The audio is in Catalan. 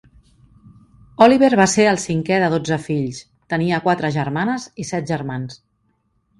Oliver va ser el cinquè de dotze fills, tenia quatre germanes i set germans.